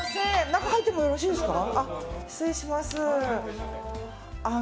中入ってもよろしいですか。